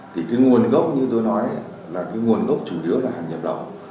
thì cái nguồn gốc như tôi nói là cái nguồn gốc chủ yếu là hàng nhập lậu